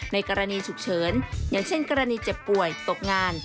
ในกรณีฉุกเฉินอย่างเช่นกรณีเจ็บป่วยตกงาน